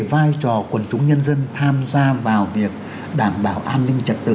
vai trò quần chúng nhân dân tham gia vào việc đảm bảo an ninh trật tự